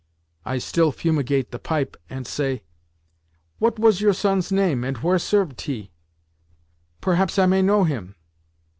I still fumigate the pipe, ant say, 'What was your son's name, and where servet he? Perhaps I may know him.